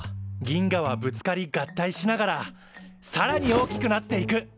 銀河はぶつかり合体しながらさらに大きくなっていく。